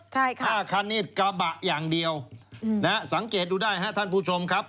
ใช่ค่ะห้าคันนี้กระบะอย่างเดียวนะฮะสังเกตดูได้ฮะท่านผู้ชมครับ